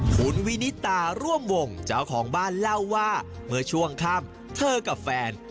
คุณวินิตาร่วมวงเจ้าของบ้านเล่าว่าเมื่อช่วงค่ำเธอกับแฟน